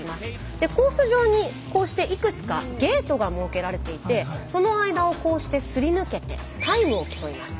でコース上にこうしていくつかゲートが設けられていてその間をこうしてすり抜けてタイムを競います。